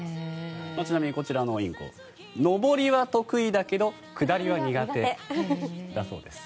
ちなみにこちらのインコ上りは得意だけれど下りは苦手だそうです。